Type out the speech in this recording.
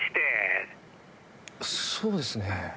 そうですね。